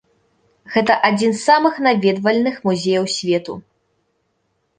Гэта адзін з самых наведвальных музеяў свету.